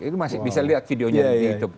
itu masih bisa lihat videonya di youtube